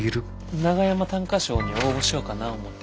長山短歌賞に応募しようかな思て。